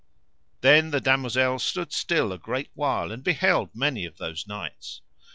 Then the damosel stood still a great while and beheld many of those knights.